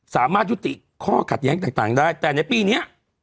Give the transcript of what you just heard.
สามารถยุติข้อขัดแย้งต่างได้แต่ในปีนี้